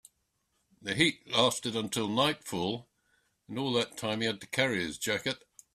The heat lasted until nightfall, and all that time he had to carry his jacket.